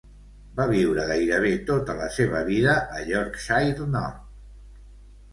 Va viure gairebé tota la seva vida a Yorkshire Nord.